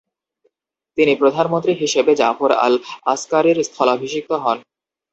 তিনি প্রধানমন্ত্রী হিসেবে জাফর আল আসকারির স্থলাভিষিক্ত হন।